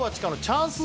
チャンス